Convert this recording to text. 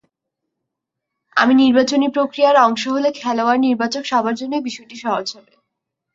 আমি নির্বাচনী প্রক্রিয়ার অংশ হলে খেলোয়াড়, নির্বাচক সবার জন্যই বিষয়টি সহজ হবে।